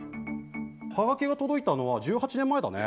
ハガキが届いたのは１８年前だね。